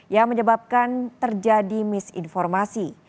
yang menyebabkan terjadi misinformasi